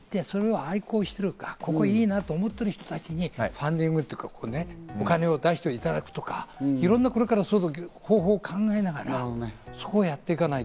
ここ、いいなと思ってる人たちにファンディングというか、お金を出していただくとか、いろんな方法を考えながら、そこをやっていかないと。